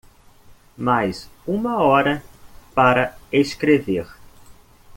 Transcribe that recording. Mais uma hora para escrever.